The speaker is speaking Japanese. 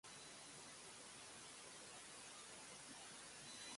長さの違う十七本の金属の細い板が並んでいて、爪ではじくことで音を出す楽器